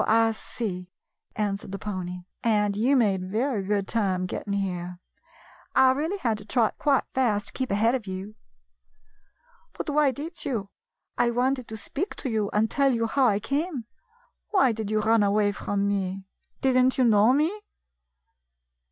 "So I see," answered the pony, "and you made very good time getting here. I really had to trot quite fast to keep ahead of you." "But why did you? I wanted to speak to you and to tell you how I came. Why did you run away from me ? Did n't you know me